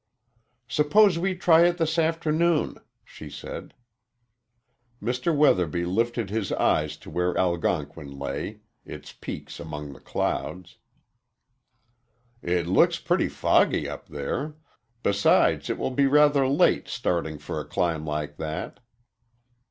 "Suppose we try it this afternoon," she said. Mr. Weatherby lifted his eyes to where Algonquin lay its peaks among the clouds. "It looks pretty foggy up there besides, it will be rather late starting for a climb like that."